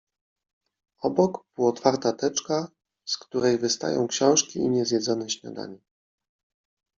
Obok półotwarta teczka, z której wy stają książki i nie zjedzone śniadanie.